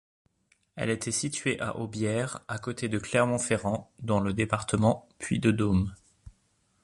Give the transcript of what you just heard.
Elle était située à Aubière, à côté de Clermont-Ferrand dans le département Puy-de-Dôme.